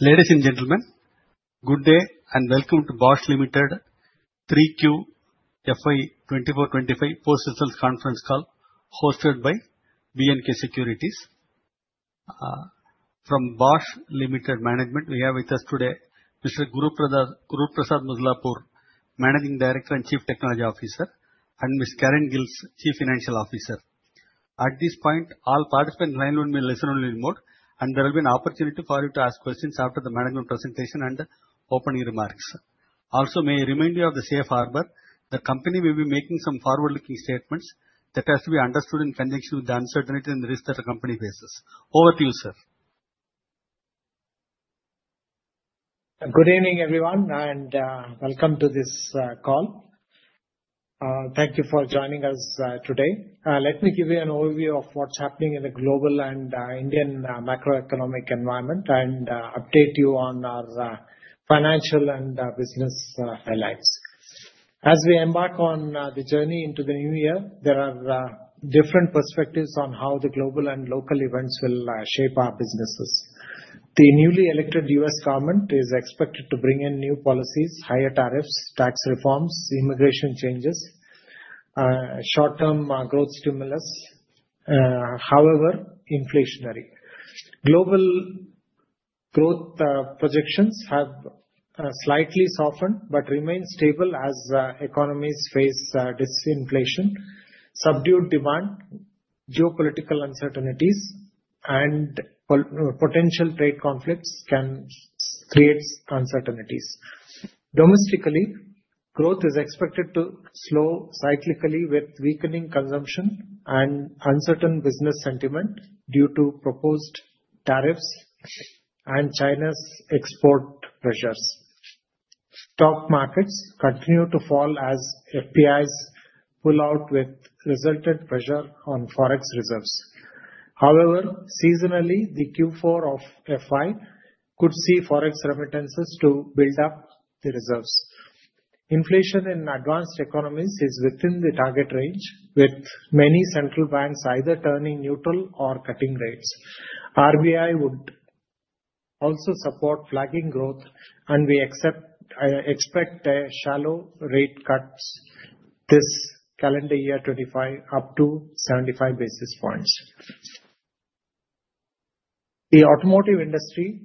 Ladies and gentlemen, good day and welcome to Bosch Limited 3Q FY 2024-25 Post Results Conference Call, hosted by B&K Securities. From Bosch Limited Management, we have with us today Mr. Guruprasad Mudlapur, Managing Director and Chief Technology Officer, and Ms. Karin Gilges, Chief Financial Officer. At this point, all participants will be in listen-only mode, and there will be an opportunity for you to ask questions after the management presentation and opening remarks. Also, may I remind you of the safe harbor? The company will be making some forward-looking statements that have to be understood in conjunction with the uncertainty and risk that the company faces. Over to you, sir. Good evening, everyone, and welcome to this call. Thank you for joining us today. Let me give you an overview of what's happening in the global and Indian macroeconomic environment and update you on our financial and business headlines. As we embark on the journey into the new year, there are different perspectives on how the global and local events will shape our businesses. The newly elected U.S. government is expected to bring in new policies, higher tariffs, tax reforms, immigration changes, and short-term growth stimulus. However, inflationary. Global growth projections have slightly softened but remain stable as economies face disinflation. Subdued demand, geopolitical uncertainties, and potential trade conflicts can create uncertainties. Domestically, growth is expected to slow cyclically with weakening consumption and uncertain business sentiment due to proposed tariffs and China's export pressures. Stock markets continue to fall as FPIs pull out with resultant pressure on forex reserves. However, seasonally, the Q4 of FY could see forex remittances to build up the reserves. Inflation in advanced economies is within the target range with many central banks either turning neutral or cutting rates. RBI would also support flagging growth, and we expect shallow rate cuts this calendar year 2025 up to 75 basis points. The automotive industry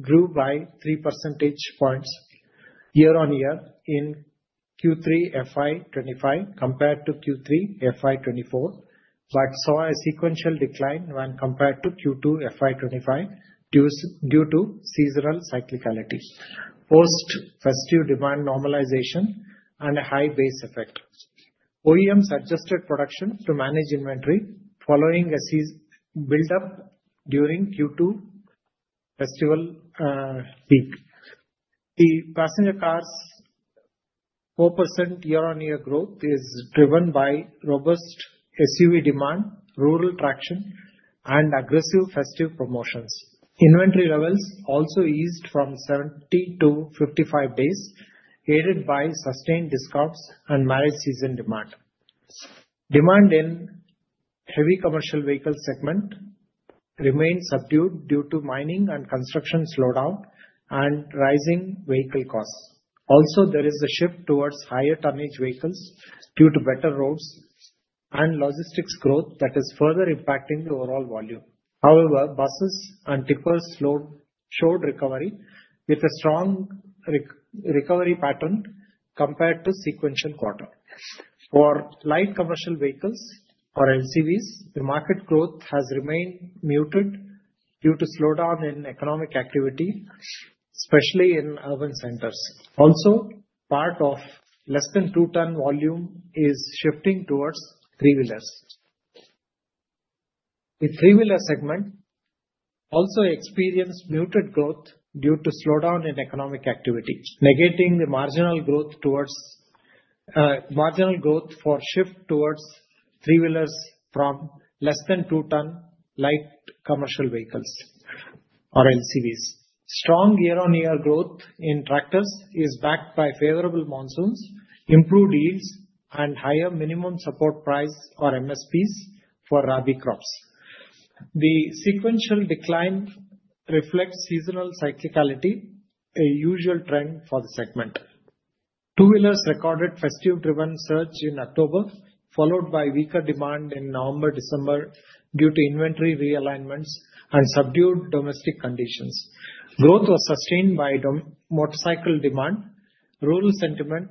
grew by 3 percentage points year-on-year in Q3 FY 2025 compared to Q3 FY 2024 but saw a sequential decline when compared to Q2 FY 2025 due to seasonal cyclicality post-festival demand normalization and a high base effect. OEMs adjusted production to manage inventory following a build-up during Q2 festival peak. The passenger cars' 4% year-on-year growth is driven by robust SUV demand, rural traction, and aggressive festive promotions. Inventory levels also eased from 70 to 55 days, aided by sustained discounts and marriage season demand. Demand in heavy commercial vehicle segment remained subdued due to mining and construction slowdown and rising vehicle costs. Also, there is a shift towards higher tonnage vehicles due to better roads and logistics growth that is further impacting the overall volume. However, buses and tippers showed recovery with a strong recovery pattern compared to the sequential quarter. For light commercial vehicles or LCVs, the market growth has remained muted due to slowdown in economic activity, especially in urban centers. Also, part of less than 2-ton volume is shifting towards three-wheelers. The three-wheeler segment also experienced muted growth due to slowdown in economic activity, negating the marginal growth for shift towards three-wheelers from less than 2-ton light commercial vehicles or LCVs. Strong year-on-year growth in tractors is backed by favorable monsoons, improved yields, and higher minimum support price or MSPs for Rabi crops. The sequential decline reflects seasonal cyclicality, a usual trend for the segment. Two-wheelers recorded festive-driven surge in October, followed by weaker demand in November-December due to inventory realignments and subdued domestic conditions. Growth was sustained by motorcycle demand, rural sentiment,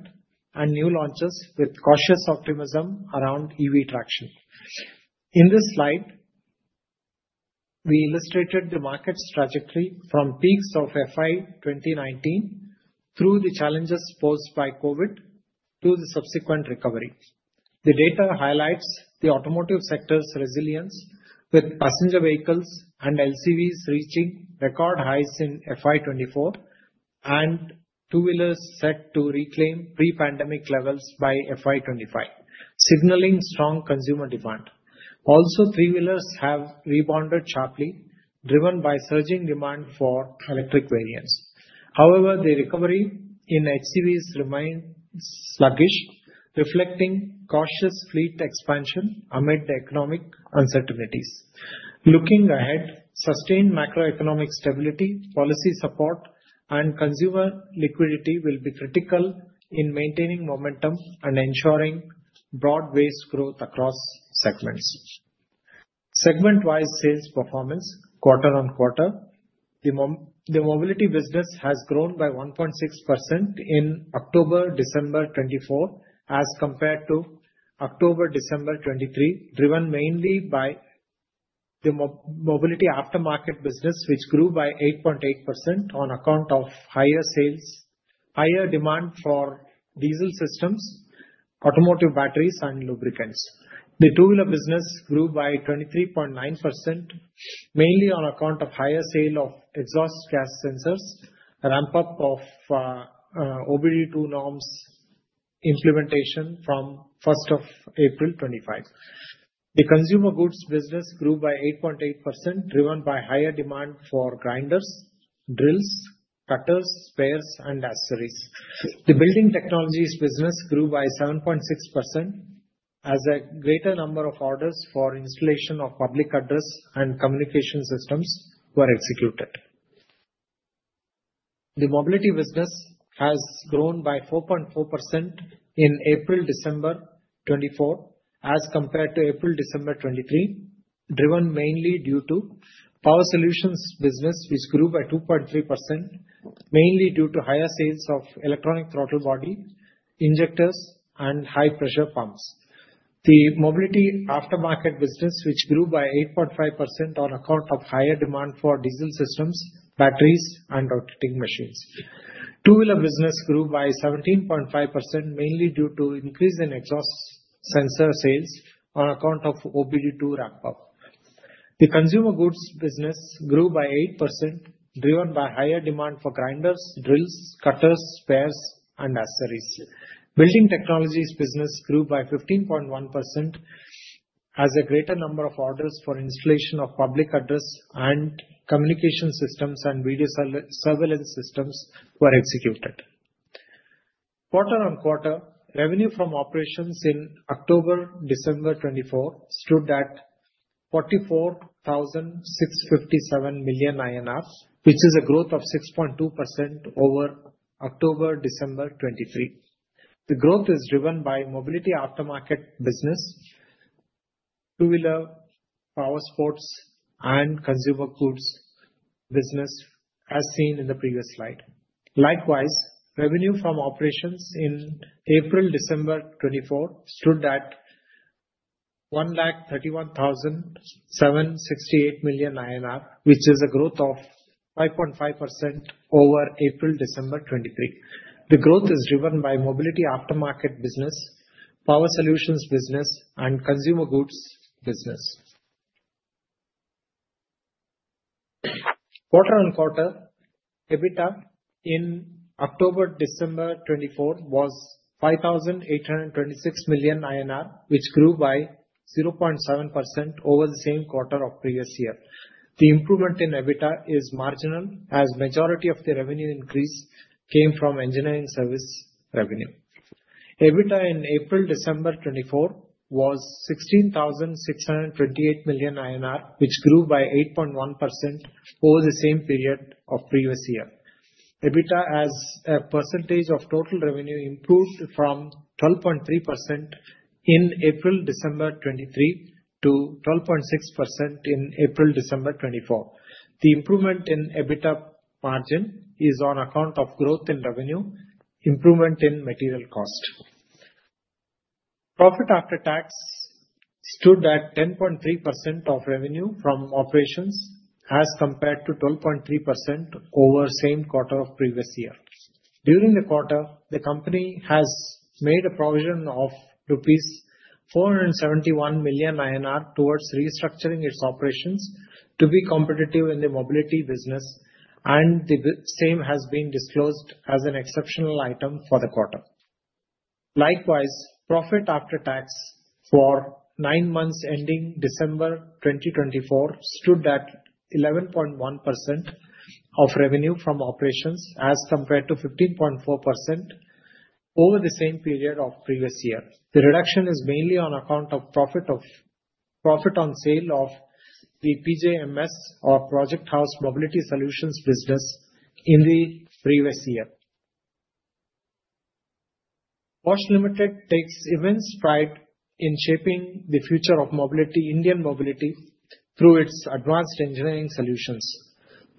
and new launches with cautious optimism around EV traction. In this slide, we illustrated the market's trajectory from peaks of FY 2019 through the challenges posed by COVID to the subsequent recovery. The data highlights the automotive sector's resilience with passenger vehicles and LCVs reaching record highs in FY 2024 and two-wheelers set to reclaim pre-pandemic levels by FY 2025, signaling strong consumer demand. Also, three-wheelers have rebounded sharply, driven by surging demand for electric variants. However, the recovery in HCVs remains sluggish, reflecting cautious fleet expansion amid the economic uncertainties. Looking ahead, sustained macroeconomic stability, policy support, and consumer liquidity will be critical in maintaining momentum and ensuring broad-based growth across segments. Segment-wise sales performance, quarter on quarter, the Mobility business has grown by 1.6% in October-December 2024 as compared to October-December 2023, driven mainly by the Mobility Aftermarket business, which grew by 8.8% on account of higher sales, higher demand for diesel systems, automotive batteries, and lubricants. The Two-Wheeler business grew by 23.9%, mainly on account of higher sale of exhaust gas sensors, ramp-up of OBD-II norms implementation from April 1st, 2025. The Consumer Goods business grew by 8.8%, driven by higher demand for grinders, drills, cutters, spares, and accessories. The Building Technologies business grew by 7.6% as a greater number of orders for installation of public address and communication systems were executed. The Mobility business has grown by 4.4% in April-December 2024 as compared to April-December 2023, driven mainly due to Powertrain Solutions business, which grew by 2.3%, mainly due to higher sales of electronic throttle body, injectors, and high-pressure pumps. The Mobility Aftermarket business, which grew by 8.5% on account of higher demand for diesel systems, batteries, and rotating machines. Two-Wheeler business grew by 17.5%, mainly due to increase in exhaust sensor sales on account of OBD-II ramp-up. The Consumer Goods business grew by 8%, driven by higher demand for grinders, drills, cutters, spares, and accessories. Building Technologies business grew by 15.1% as a greater number of orders for installation of public address and communication systems and video surveillance systems were executed. Quarter on quarter, revenue from operations in October-December 2024 stood at 44,657 million INR, which is a growth of 6.2% over October-December 2023. The growth is driven by Mobility Aftermarket business, Two-Wheeler & Powersports, and Consumer Goods business as seen in the previous slide. Likewise, revenue from operations in April-December 2024 stood at 131,768 million INR, which is a growth of 5.5% over April-December 2023. The growth is driven by Mobility Aftermarket business, Powertrain Solutions business, and Consumer Goods business. Quarter on quarter, EBITDA in October-December 2024 was 5,826 million INR, which grew by 0.7% over the same quarter of previous year. The improvement in EBITDA is marginal as majority of the revenue increase came from engineering service revenue. EBITDA in April-December 2024 was 16,628 million INR, which grew by 8.1% over the same period of previous year. EBITDA as a percentage of total revenue improved from 12.3% in April-December 2023 to 12.6% in April-December 2024. The improvement in EBITDA margin is on account of growth in revenue, improvement in material cost. Profit after tax stood at 10.3% of revenue from operations as compared to 12.3% over the same quarter of previous year. During the quarter, the company has made a provision of rupees 471 million towards restructuring its operations to be competitive in the Mobility business, and the same has been disclosed as an exceptional item for the quarter. Likewise, profit after tax for nine months ending December 2024 stood at 11.1% of revenue from operations as compared to 15.4% over the same period of previous year. The reduction is mainly on account of profit on sale of the PHMS or Project House Mobility Solutions business in the previous year. Bosch Limited takes immense pride in shaping the future of Indian mobility through its advanced engineering solutions.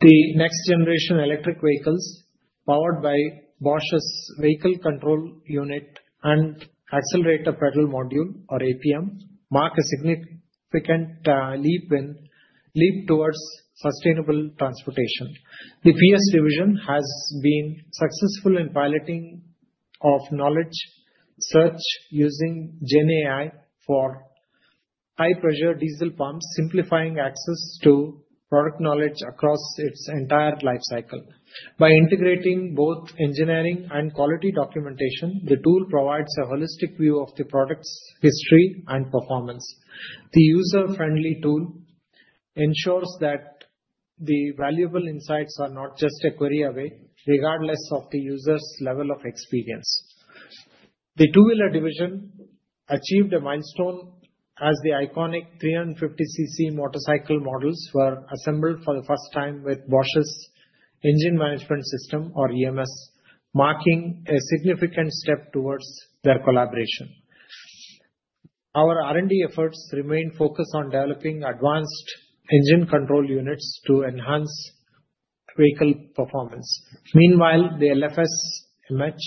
The next-generation electric vehicles powered by Bosch's Vehicle Control Unit and Accelerator Pedal Module, or APM, mark a significant leap towards sustainable transportation. The PS division has been successful in piloting knowledge search using GenAI for high-pressure diesel pumps, simplifying access to product knowledge across its entire lifecycle. By integrating both engineering and quality documentation, the tool provides a holistic view of the product's history and performance. The user-friendly tool ensures that the valuable insights are not just a query away, regardless of the user's level of experience. The Two-Wheeler division achieved a milestone as the iconic 350cc motorcycle models were assembled for the first time with Bosch's Engine Management System, or EMS, marking a significant step towards their collaboration. Our R&D efforts remain focused on developing advanced engine control units to enhance vehicle performance. Meanwhile, the LSF MH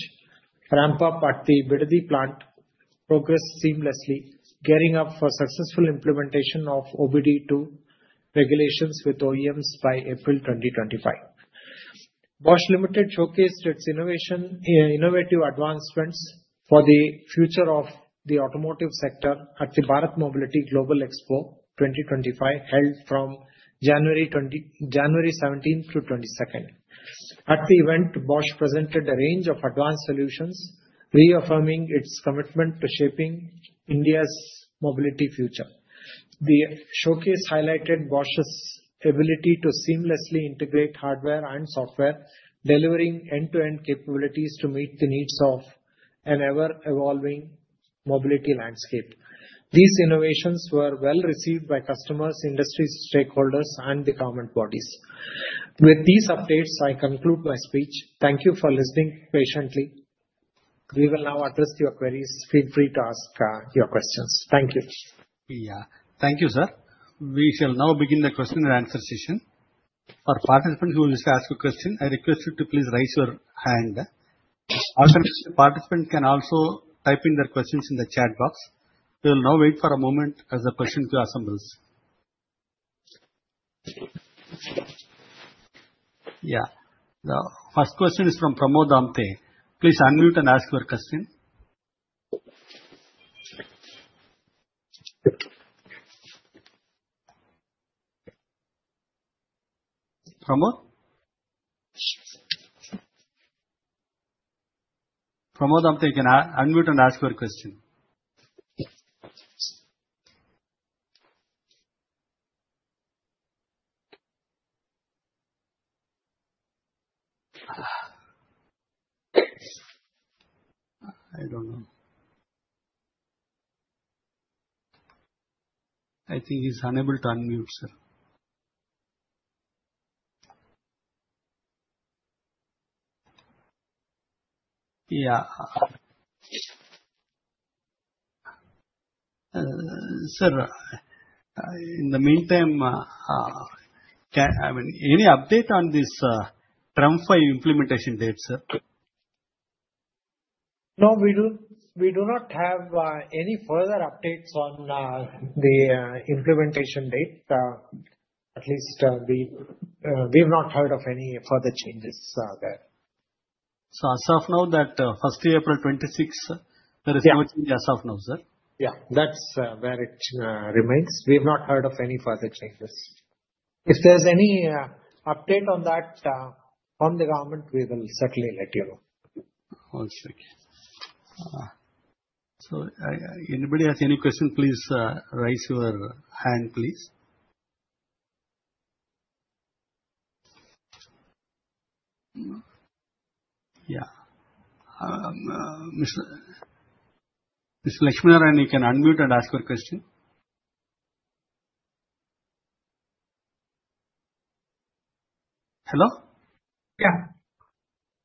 ramp-up at the Bidadi plant progresses seamlessly, gearing up for successful implementation of OBD-II regulations with OEMs by April 2025. Bosch Limited showcased its innovative advancements for the future of the automotive sector at the Bharat Mobility Global Expo 2025, held from January 17th to 22nd. At the event, Bosch presented a range of advanced solutions, reaffirming its commitment to shaping India's mobility future. The showcase highlighted Bosch's ability to seamlessly integrate hardware and software, delivering end-to-end capabilities to meet the needs of an ever-evolving mobility landscape. These innovations were well received by customers, industry stakeholders, and the government bodies. With these updates, I conclude my speech. Thank you for listening patiently. We will now address your queries. Feel free to ask your questions. Thank you. Thank you, sir. We shall now begin the question and answer session. For participants who wish to ask a question, I request you to please raise your hand. Alternatively, participants can also type in their questions in the chat box. We will now wait for a moment as the question queue assembles. Yeah. The first question is from Pramod Amte. Please unmute and ask your question. Pramod? Pramod Amte, you can unmute and ask your question. I don't know. I think he's unable to unmute, sir. Yeah. Sir, in the meantime, I mean, any update on this TREM V implementation date, sir? No, we do not have any further updates on the implementation date. At least we have not heard of any further changes there. So as of now, that 1st April 2026, there is no change as of now, sir? Yeah. That's where it remains. We have not heard of any further changes. If there's any update on that from the government, we will certainly let you know. One second. So anybody has any question, please raise your hand, please. Yeah. Mr. Lakshminarayanan, you can unmute and ask your question. Hello? Yeah.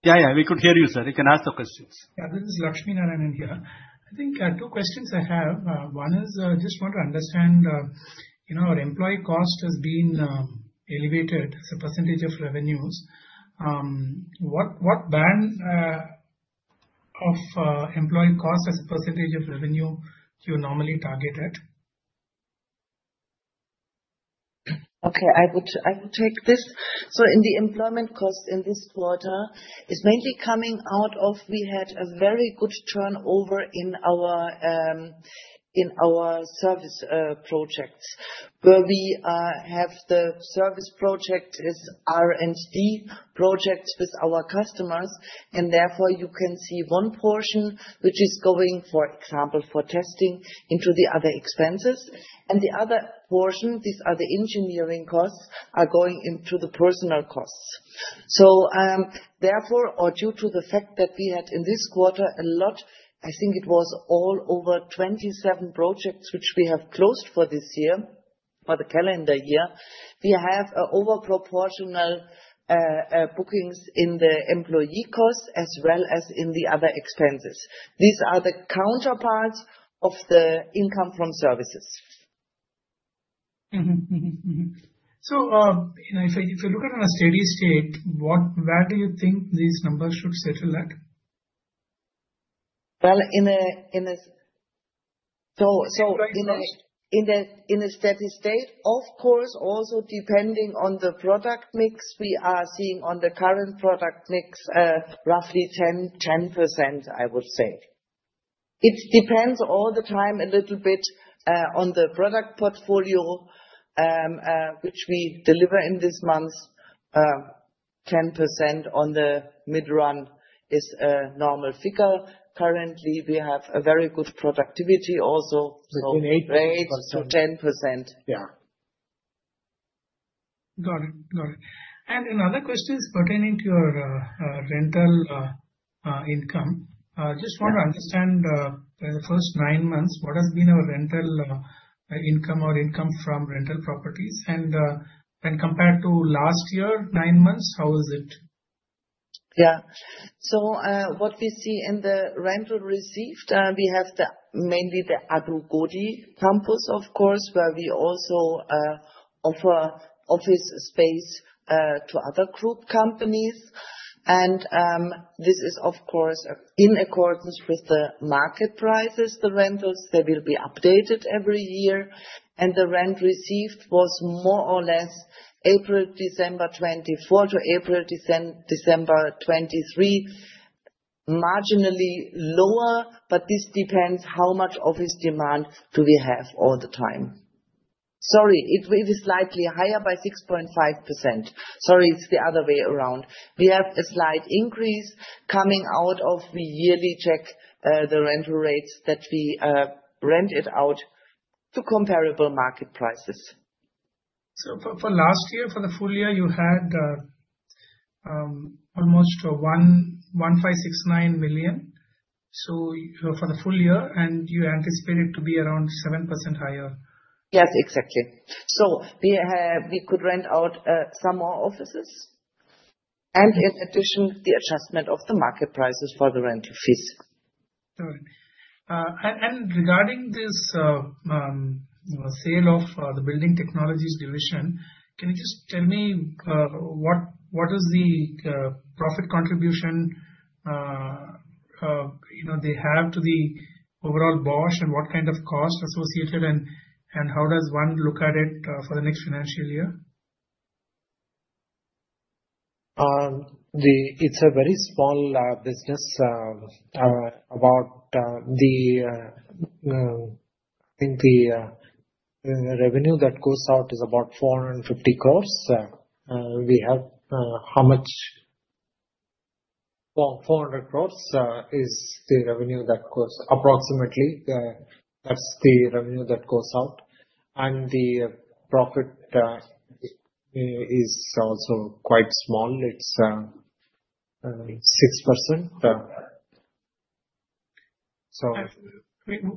Yeah, yeah. We could hear you, sir. You can ask your questions. Yeah. This is Lakshminarayanan here. I think two questions I have. One is I just want to understand, our employee cost has been elevated as a percentage of revenues. What band of employee cost as a percentage of revenue do you normally target at? Okay. I will take this. So in the employment cost in this quarter, it's mainly coming out of we had a very good turnover in our service projects where we have the service project is R&D projects with our customers. And therefore, you can see one portion, which is going, for example, for testing into the other expenses. And the other portion, these other engineering costs, are going into the personnel costs. So therefore, or due to the fact that we had in this quarter a lot, I think it was all over 27 projects which we have closed for this year, for the calendar year, we have overproportional bookings in the employee costs as well as in the other expenses. These are the counterparts of the income from services. So if you look at a steady state, where do you think these numbers should settle at? Well, in a so in a steady state, of course, also depending on the product mix we are seeing on the current product mix, roughly 10%, I would say. It depends all the time a little bit on the product portfolio which we deliver in this month. 10% on the mid-run is a normal figure. Currently, we have a very good productivity also. So 8%-10%. Yeah. Got it. Got it. And another question is pertaining to your rental income. I just want to understand, in the first nine months, what has been our rental income or income from rental properties? And when compared to last year, nine months, how is it? Yeah. So what we see in the rental received, we have mainly the Adugodi campus, of course, where we also offer office space to other group companies. And this is, of course, in accordance with the market prices. The rentals, they will be updated every year. The rent received was more or less April-December 2024 to April-December 2023, marginally lower, but this depends how much office demand do we have all the time. Sorry, it is slightly higher by 6.5%. Sorry, it's the other way around. We have a slight increase coming out of we yearly check the rental rates that we rent it out to comparable market prices. For last year, for the full year, you had almost 1,569 million for the full year, and you anticipated to be around 7% higher. Yes, exactly. We could rent out some more offices. In addition, the adjustment of the market prices for the rental fees. Got it. Regarding this sale of the Building Technologies division, can you just tell me what is the profit contribution they have to the overall Bosch and what kind of cost associated, and how does one look at it for the next financial year? It's a very small business. I think the revenue that goes out is about 450 crores. We have how much? 400 crores is the revenue that goes out. Approximately, that's the revenue that goes out. And the profit is also quite small. It's 6%. So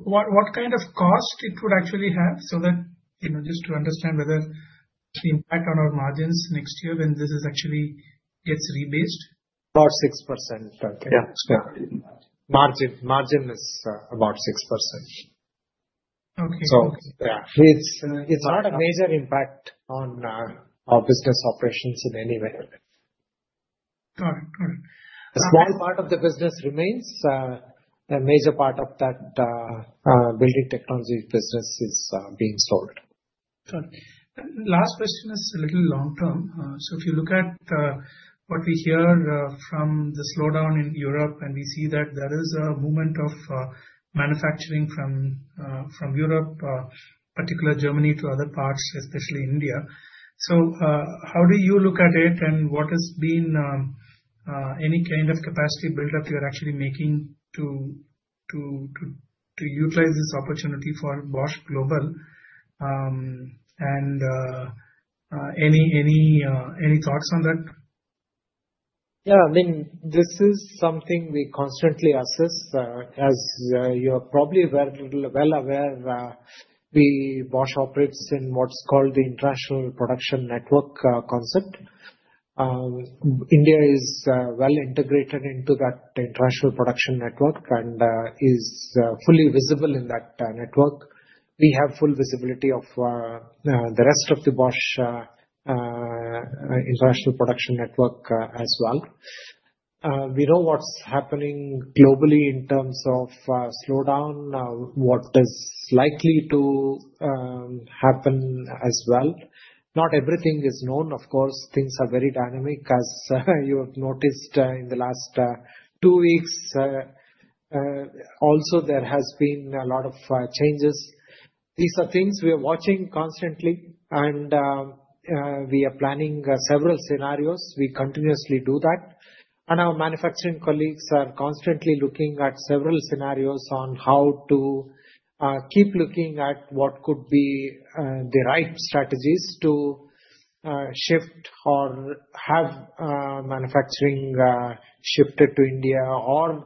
what kind of cost it would actually have so that just to understand whether the impact on our margins next year when this actually gets rebased? About 6%. Yeah. Margin is about 6%. Okay. So it's not a major impact on our business operations in any way. Got it. Got it. A small part of the business remains. A major part of that Building technology business is being sold. Got it. Last question is a little long-term. So if you look at what we hear from the slowdown in Europe, and we see that there is a movement of manufacturing from Europe, particularly Germany, to other parts, especially India. So how do you look at it, and what has been any kind of capacity build-up you're actually making to utilize this opportunity for Bosch Global? And any thoughts on that? Yeah. I mean, this is something we constantly assess. As you're probably well aware, Bosch operates in what's called the International Production Network concept. India is well integrated into that International Production Network and is fully visible in that network. We have full visibility of the rest of the Bosch International Production Network as well. We know what's happening globally in terms of slowdown, what is likely to happen as well. Not everything is known, of course. Things are very dynamic, as you have noticed in the last two weeks. Also, there has been a lot of changes. These are things we are watching constantly, and we are planning several scenarios. We continuously do that. And our manufacturing colleagues are constantly looking at several scenarios on how to keep looking at what could be the right strategies to shift or have manufacturing shifted to India or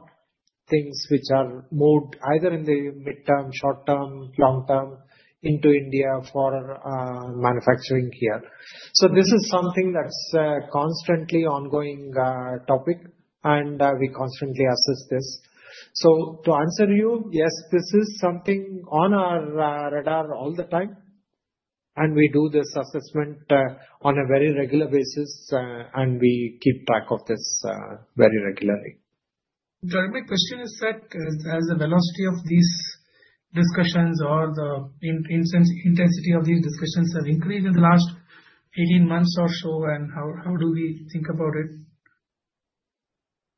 things which are moved either in the mid-term, short-term, long-term into India for manufacturing here. So this is something that's a constantly ongoing topic, and we constantly assess this. So to answer you, yes, this is something on our radar all the time. We do this assessment on a very regular basis, and we keep track of this very regularly. My question is that as the velocity of these discussions or the intensity of these discussions have increased in the last 18 months or so, how do we think about it?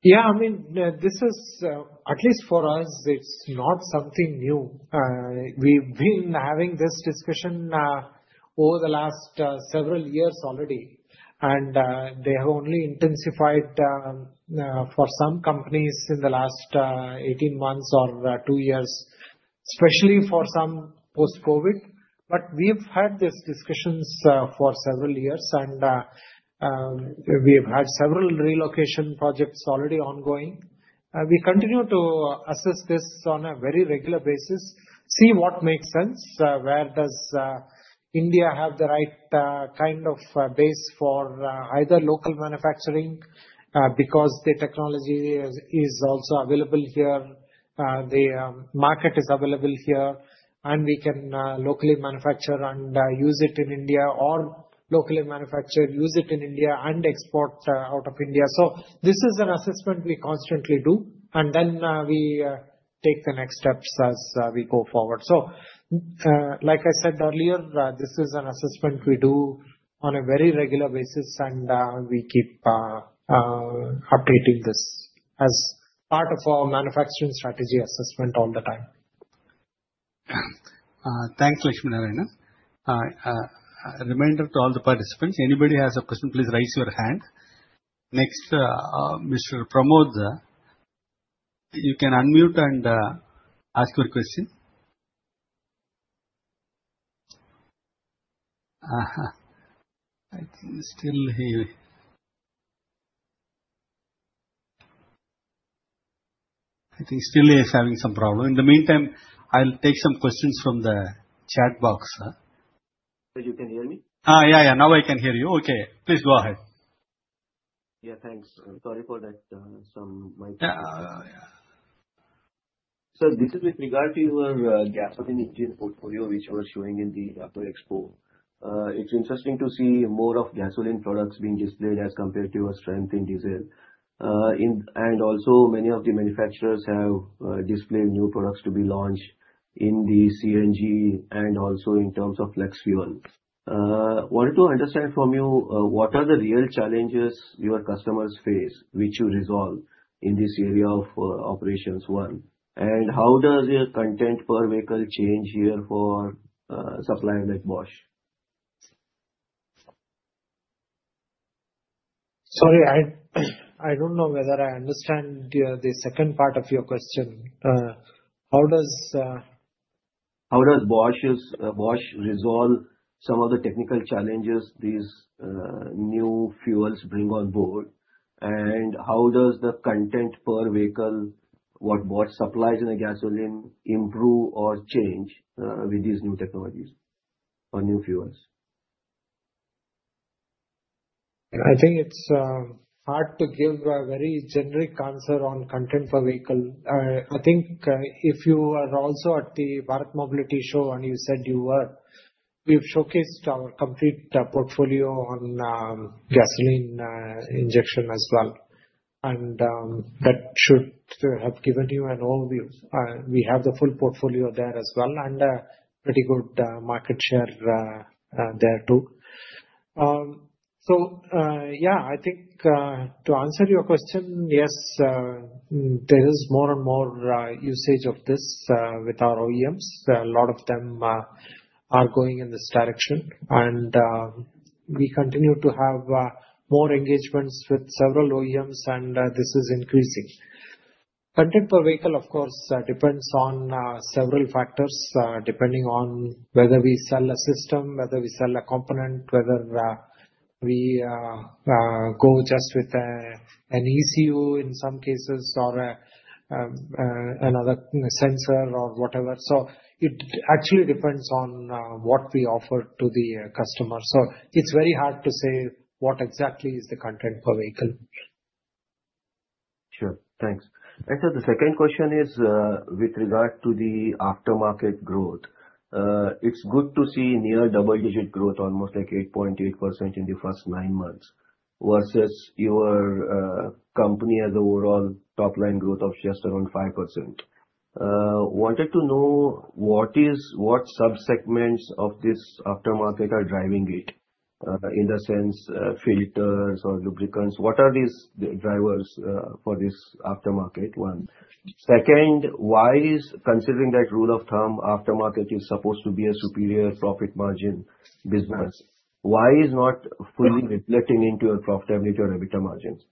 Yeah. I mean, at least for us, it's not something new. We've been having this discussion over the last several years already. They have only intensified for some companies in the last 18 months or two years, especially for some post-COVID. But we've had these discussions for several years, and we've had several relocation projects already ongoing. We continue to assess this on a very regular basis, see what makes sense, where does India have the right kind of base for either local manufacturing because the technology is also available here, the market is available here, and we can locally manufacture and use it in India or locally manufacture, use it in India, and export out of India. So this is an assessment we constantly do, and then we take the next steps as we go forward. So like I said earlier, this is an assessment we do on a very regular basis, and we keep updating this as part of our manufacturing strategy assessment all the time. Thanks, Lakshminarayanan. Reminder to all the participants. Anybody has a question, please raise your hand. Next, Mr. Pramod, you can unmute and ask your question. I think he's still having some problem. In the meantime, I'll take some questions from the chat box. You can hear me? Yeah, yeah. Now I can hear you. Okay. Please go ahead. Yeah. Thanks. Sorry for that. Some mic. Yeah. Yeah. So this is with regard to your gasoline engine portfolio which you were showing in the Auto Expo. It's interesting to see more of gasoline products being displayed as compared to a strength in diesel. And also, many of the manufacturers have displayed new products to be launched in the CNG and also in terms of flex fuels. I wanted to understand from you, what are the real challenges your customers face which you resolve in this area of operations one? And how does your content per vehicle change here for a supplier like Bosch? Sorry, I don't know whether I understand the second part of your question. How does Bosch resolve some of the technical challenges these new fuels bring on board? And how does the content per vehicle, what Bosch supplies in the gasoline, improve or change with these new technologies or new fuels? I think it's hard to give a very generic answer on content per vehicle. I think if you are also at the Bharat Mobility Show, and you said you were, we've showcased our complete portfolio on gasoline injection as well. And that should have given you an overview. We have the full portfolio there as well and a pretty good market share there too. So yeah, I think to answer your question, yes, there is more and more usage of this with our OEMs. A lot of them are going in this direction. And we continue to have more engagements with several OEMs, and this is increasing. Content per vehicle, of course, depends on several factors depending on whether we sell a system, whether we sell a component, whether we go just with an ECU in some cases or another sensor or whatever. So it actually depends on what we offer to the customer. So it's very hard to say what exactly is the content per vehicle. Sure. Thanks. Actually, the second question is with regard to the aftermarket growth. It's good to see near double-digit growth, almost like 8.8% in the first nine months versus your company's overall top-line growth of just around 5%. Wanted to know what subsegments of this aftermarket are driving it in the sense filters or lubricants. What are these drivers for this aftermarket one? Second, why is considering that rule of thumb aftermarket is supposed to be a superior profit margin business? Why is not fully reflecting into your profitability or EBITDA margins?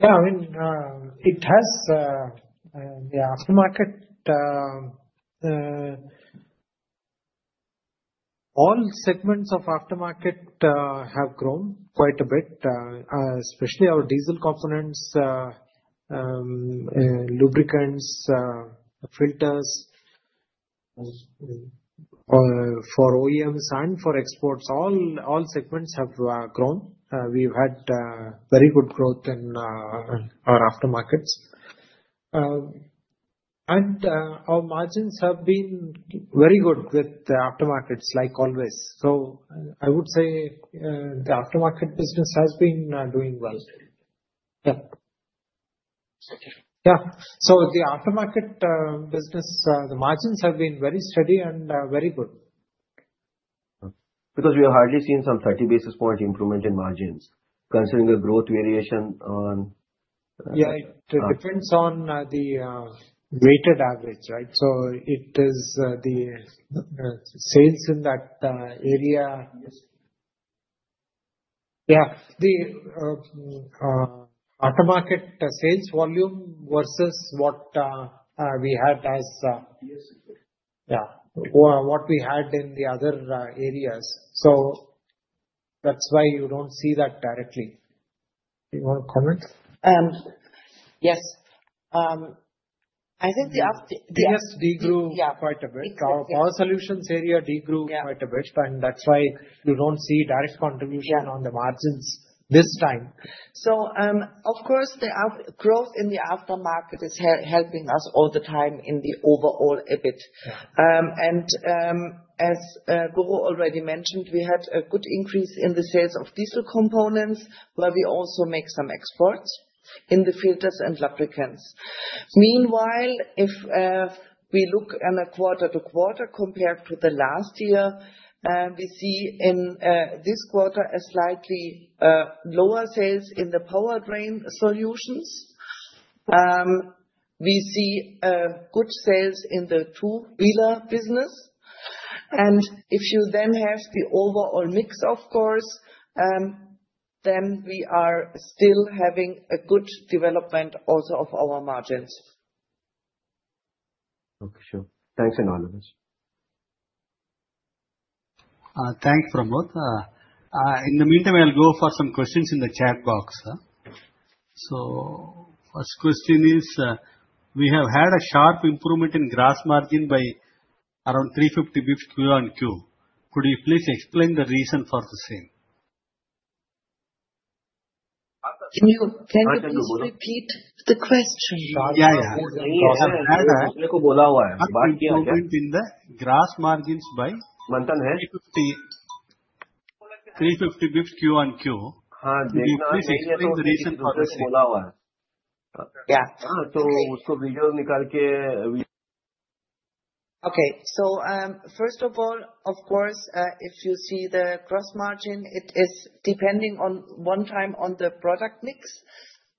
Yeah. I mean, it has the aftermarket. All segments of aftermarket have grown quite a bit, especially our diesel components, lubricants, filters for OEMs and for exports. All segments have grown. We've had very good growth in our aftermarkets, and our margins have been very good with the aftermarkets, like always, so I would say the aftermarket business has been doing well. Yeah. Yeah. So the aftermarket business, the margins have been very steady and very good. Because we are hardly seeing some 30 basis point improvement in margins considering the growth variation on. Yeah. It depends on the weighted average, right? So it is the sales in that area. Yeah. The aftermarket sales volume versus what we had as yeah, what we had in the other areas. So that's why you don't see that directly. Do you want to comment? Yes. Yes, degrew quite a bit. Our solutions area degrew quite a bit. And that's why you don't see direct contribution on the margins this time. So of course, the growth in the aftermarket is helping us all the time in the overall EBIT. And as Guru already mentioned, we had a good increase in the sales of diesel components where we also make some exports in the filters and lubricants. Meanwhile, if we look on a quarter-to-quarter compared to the last year, we see in this quarter a slightly lower sales in the powertrain solutions. We see good sales in the Two-Wheeler business. And if you then have the overall mix, of course, then we are still having a good development also of our margins. Okay. Sure. Thanks from all of us. Thanks, Pramod. In the meantime, I'll go for some questions in the chat box. So first question is, we have had a sharp improvement in gross margin by around 350 basis points Q1Q. Could you please explain the reason for the same? Can you please repeat the question? Yeah, yeah. So I have had an improvement in the gross margins by 350 basis points Q1Q. Could you please explain the reason for the same? Yeah. Okay. So first of all, of course, if you see the gross margin, it is depending on one time on the product mix.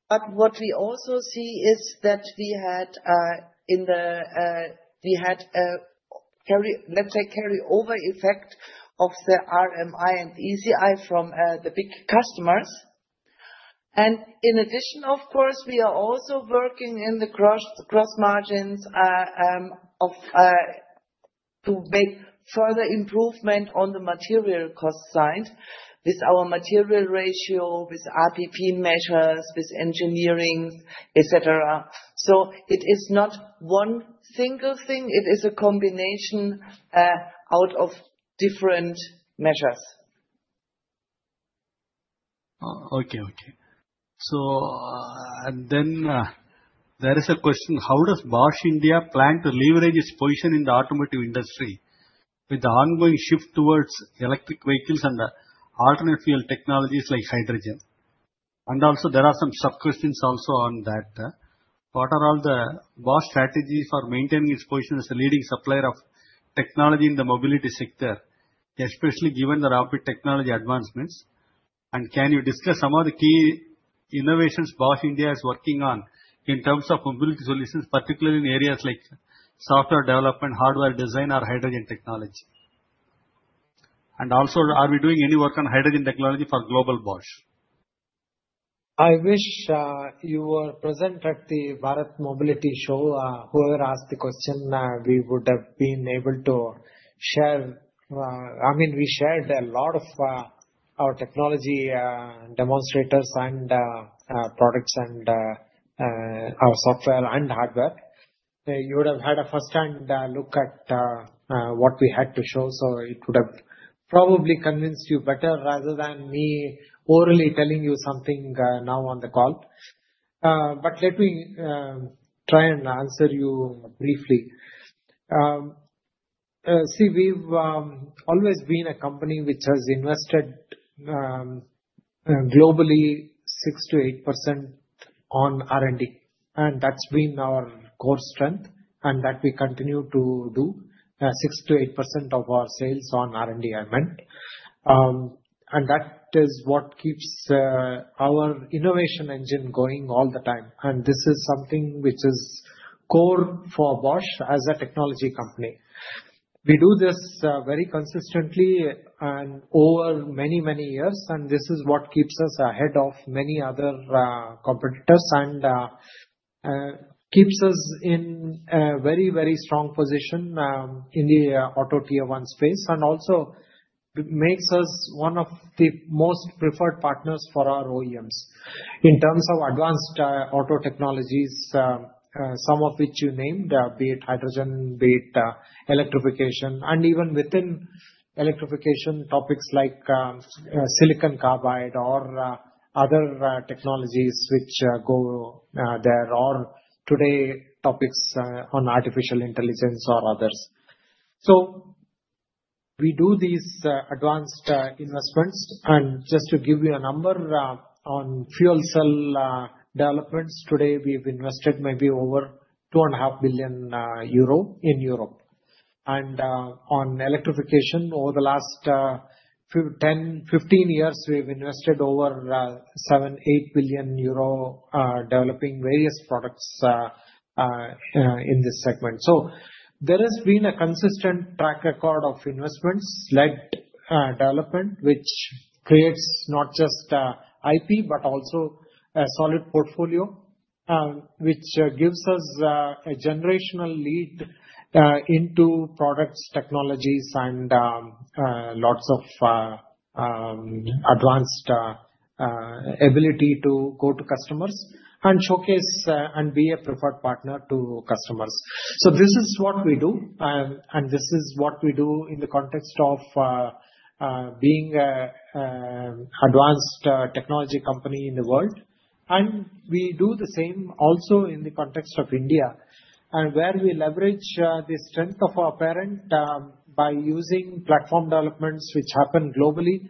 But what we also see is that we had a, let's say, carryover effect of the RMI and ECI from the big customers. And in addition, of course, we are also working in the gross margins to make further improvement on the material cost side with our material ratio, with RPP measures, with engineering, etc. So it is not one single thing. It is a combination out of different measures. Okay, okay. So and then there is a question, how does Bosch India plan to leverage its position in the automotive industry with the ongoing shift towards electric vehicles and alternate fuel technologies like hydrogen? And also, there are some sub-questions also on that. What are all the Bosch strategies for maintaining its position as a leading supplier of technology in the mobility sector, especially given the rapid technology advancements? And can you discuss some of the key innovations Bosch India is working on in terms of mobility solutions, particularly in areas like software development, hardware design, or hydrogen technology? Also, are we doing any work on hydrogen technology for global Bosch? I wish you were present at the Bharat Mobility Show. Whoever asked the question, we would have been able to share. I mean, we shared a lot of our technology demonstrators and products and our software and hardware. You would have had a first-hand look at what we had to show. So it would have probably convinced you better rather than me orally telling you something now on the call. But let me try and answer you briefly. See, we've always been a company which has invested globally 6%-8% on R&D. That's been our core strength and that we continue to do 6%-8% of our sales on R&D, I meant. That is what keeps our innovation engine going all the time. And this is something which is core for Bosch as a technology company. We do this very consistently and over many, many years. And this is what keeps us ahead of many other competitors and keeps us in a very, very strong position in the auto tier one space and also makes us one of the most preferred partners for our OEMs in terms of advanced auto technologies, some of which you named, be it hydrogen, be it electrification, and even within electrification topics like silicon carbide or other technologies which go there or today topics on artificial intelligence or others. So we do these advanced investments. And just to give you a number on fuel cell developments, today we've invested maybe over 2.5 billion euro in Europe. On electrification, over the last 10-15 years, we've invested over 7-8 billion euro developing various products in this segment. There has been a consistent track record of investments, R&D-led development, which creates not just IP but also a solid portfolio which gives us a generational lead into products, technologies, and lots of advanced ability to go to customers and showcase and be a preferred partner to customers. This is what we do. This is what we do in the context of being an advanced technology company in the world. We do the same also in the context of India, where we leverage the strength of our parent by using platform developments which happen globally.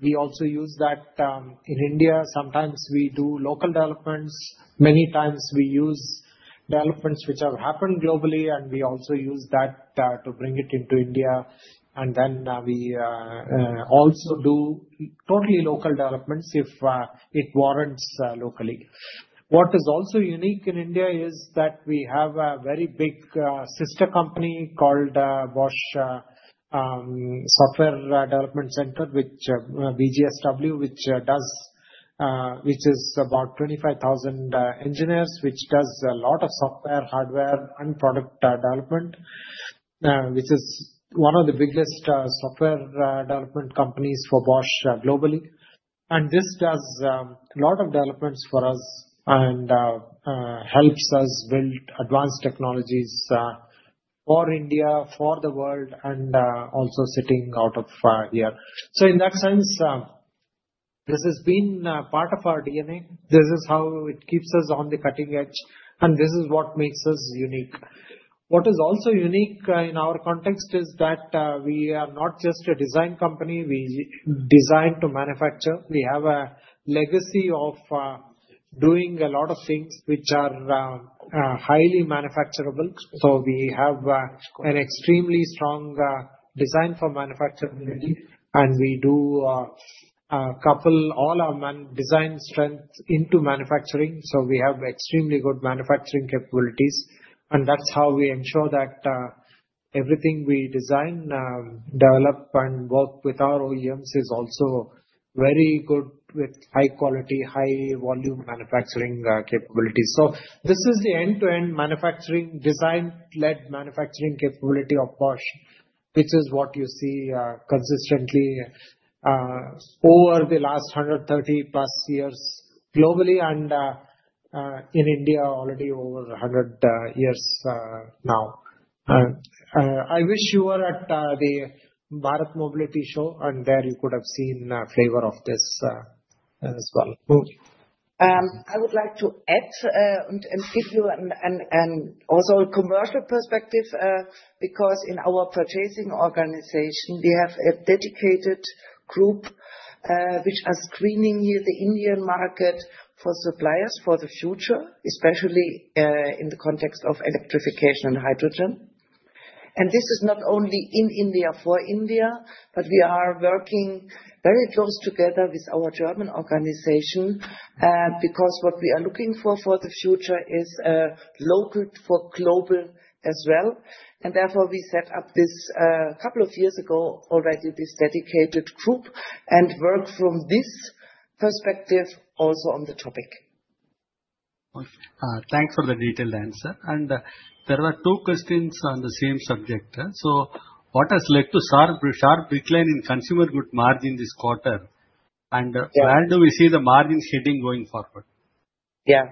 We also use that in India. Sometimes we do local developments. Many times we use developments which have happened globally. We also use that to bring it into India. And then we also do totally local developments if it warrants locally. What is also unique in India is that we have a very big sister company called Bosch Software Development Center, which BGSW, which is about 25,000 engineers, which does a lot of software, hardware, and product development, which is one of the biggest software development companies for Bosch globally. And this does a lot of developments for us and helps us build advanced technologies for India, for the world, and also sitting out of here. So in that sense, this has been part of our DNA. This is how it keeps us on the cutting edge. And this is what makes us unique. What is also unique in our context is that we are not just a design company. We design to manufacture. We have a legacy of doing a lot of things which are highly manufacturable. So we have an extremely strong design for manufacturability. And we do couple all our design strength into manufacturing. So we have extremely good manufacturing capabilities. And that's how we ensure that everything we design, develop, and work with our OEMs is also very good with high-quality, high-volume manufacturing capabilities. So this is the end-to-end manufacturing design-led manufacturing capability of Bosch, which is what you see consistently over the last 130+ years globally and in India already over 100 years now. I wish you were at the Bharat Mobility Show, and there you could have seen a flavor of this as well. I would like to add and give you also a commercial perspective because in our purchasing organization, we have a dedicated group which are screening here the Indian market for suppliers for the future, especially in the context of electrification and hydrogen. And this is not only in India for India, but we are working very close together with our German organization because what we are looking for for the future is local for global as well. And therefore, we set up this a couple of years ago already, this dedicated group and work from this perspective also on the topic. Thanks for the detailed answer. And there are two questions on the same subject. So what has led to sharp decline in Consumer Goods margin this quarter? And where do we see the margin heading going forward? Yeah.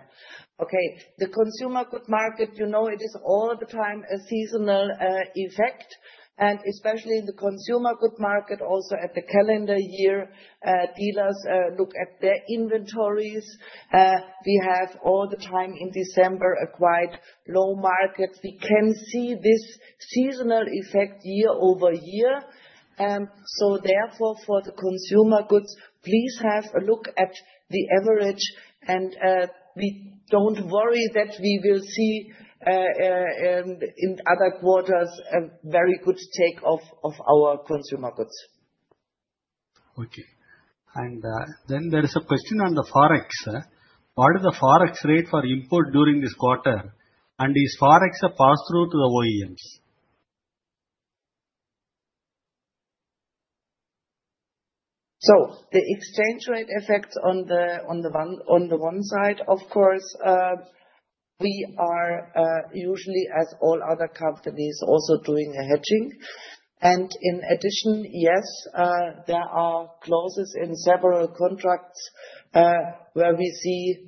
Okay. The Consumer Goods market, you know, it is all the time a seasonal effect, and especially in the Consumer Goods market, also at the calendar year, dealers look at their inventories. We have all the time in December a quite low market. We can see this seasonal effect year over year, so therefore, for the Consumer Goods, please have a look at the average, and we don't worry that we will see in other quarters a very good take of our Consumer Goods. Okay, and then there is a question on the forex. What is the forex rate for import during this quarter? And is forex passed through to the OEMs? So the exchange rate effects on the one side, of course, we are usually, as all other companies, also doing a hedging. And in addition, yes, there are clauses in several contracts where we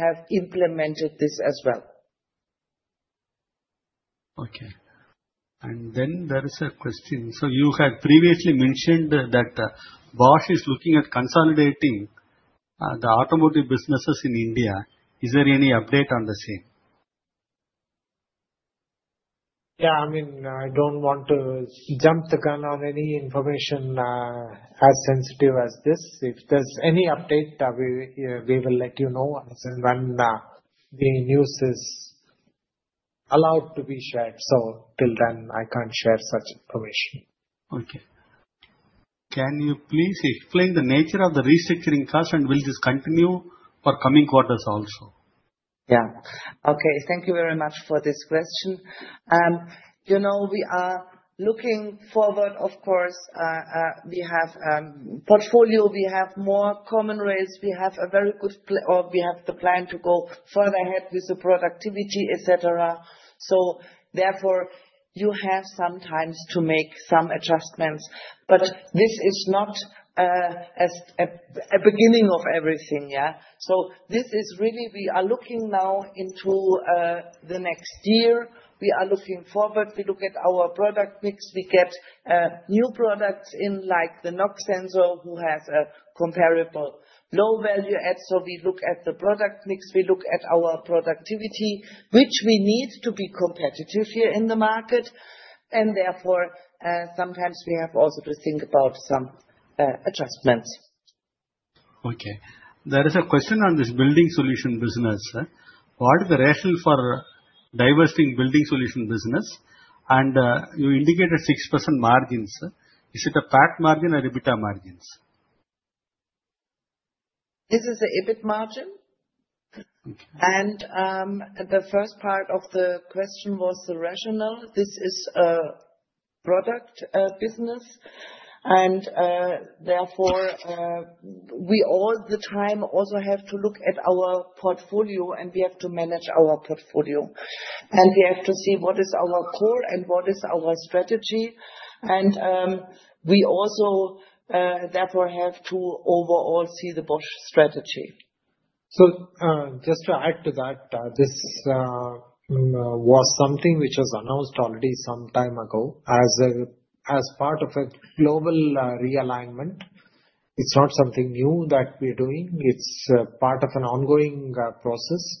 have implemented this as well. Okay. And then there is a question. So you had previously mentioned that Bosch is looking at consolidating the automotive businesses in India. Is there any update on the same? Yeah. I mean, I don't want to jump the gun on any information as sensitive as this. If there's any update, we will let you know when the news is allowed to be shared. So till then, I can't share such information. Okay. Can you please explain the nature of the restructuring costs and will this continue for coming quarters also? Yeah. Okay. Thank you very much for this question. We are looking forward, of course. We have a portfolio. We have more common rails. We have a very good plan to go further ahead with the productivity, etc. So therefore, you have some time to make some adjustments. But this is not a beginning of everything. Yeah. So this is really we are looking now into the next year. We are looking forward. We look at our product mix. We get new products in like the NOx sensor, who has a comparable low value add. So we look at the product mix. We look at our productivity, which we need to be competitive here in the market. And therefore, sometimes we have also to think about some adjustments. Okay. There is a question on this building solution business. What is the rationale for divesting building solution business? And you indicated 6% margins. Is it a PAT margin or EBITDA margins? This is the EBIT margin. The first part of the question was the rationale. This is a product business. Therefore, we all the time also have to look at our portfolio, and we have to manage our portfolio. We have to see what is our core and what is our strategy. We also therefore have to overall see the Bosch strategy. Just to add to that, this was something which was announced already some time ago as part of a global realignment. It's not something new that we're doing. It's part of an ongoing process.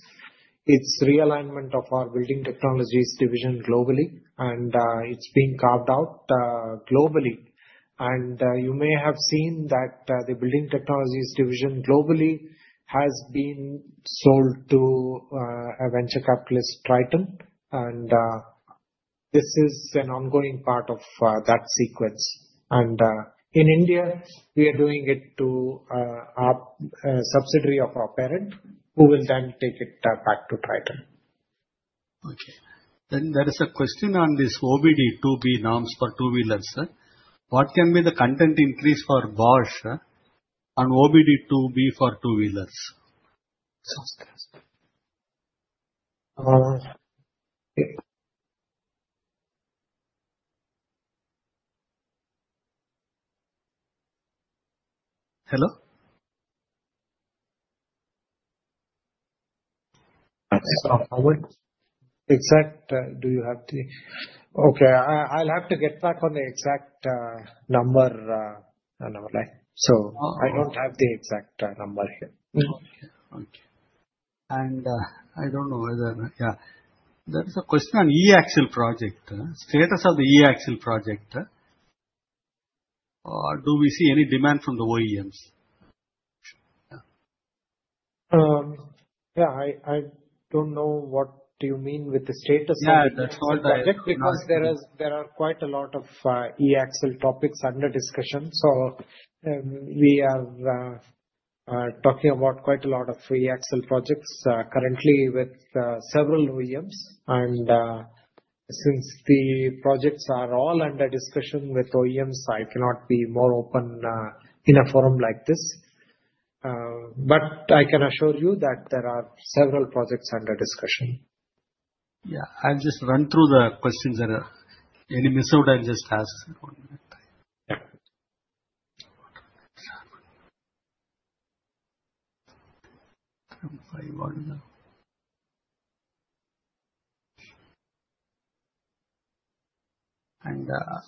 It's realignment of our Building Technologies division globally. It's being carved out globally. You may have seen that the Building Technologies division globally has been sold to a venture capitalist, Triton. This is an ongoing part of that sequence. In India, we are doing it to a subsidiary of our parent, who will then take it back to Triton. Okay. There is a question on this OBD-IIB norms for two-wheelers. What can be the content increase for Bosch on OBD-IIB for two-wheelers? Hello? Do you have the exact? Okay. I'll have to get back on the exact number. I don't have the exact number here. Okay. I don't know whether yeah. There is a question on E-Axle project. Status of the E-Axle project? Or do we see any demand from the OEMs? Yeah. I don't know what you mean with the status of the E-Axle project because there are quite a lot of E-Axle topics under discussion. We are talking about quite a lot of E-Axle projects currently with several OEMs. And since the projects are all under discussion with OEMs, I cannot be more open in a forum like this. But I can assure you that there are several projects under discussion. Yeah. I'll just run through the questions. Any missed out, I'll just ask. And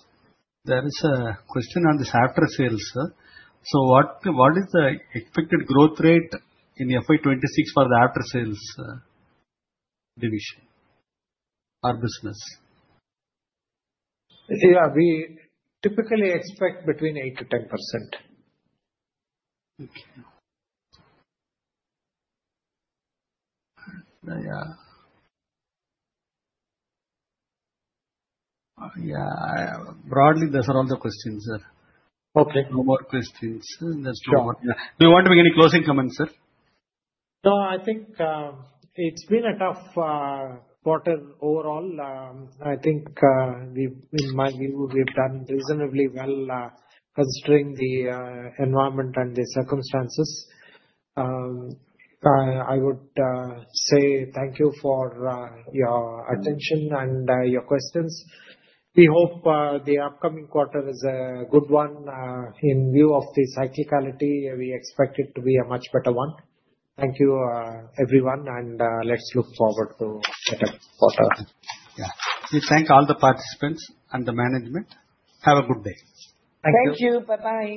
there is a question on this after-sales. So what is the expected growth rate in FY26 for the after-sales division or business? Yeah. We typically expect between 8%-10%. Okay. Yeah. Broadly, those are all the questions, sir. No more questions. There's no more. Do you want to make any closing comments, sir? No. I think it's been a tough quarter overall. I think we've done reasonably well considering the environment and the circumstances. I would say thank you for your attention and your questions. We hope the upcoming quarter is a good one. In view of the cyclicality, we expect it to be a much better one. Thank you, everyone. And let's look forward to a better quarter. Yeah. We thank all the participants and the management. Have a good day. Thank you. Thank you. Bye-bye.